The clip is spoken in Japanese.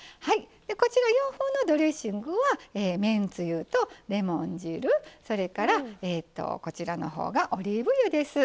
洋風のドレッシングはめんつゆとレモン汁、それからオリーブ油です。